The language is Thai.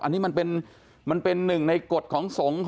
อันนี้มันเป็นหนึ่งในกฎของสงฆ์